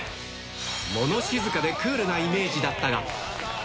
物静かでクールなイメージだったが。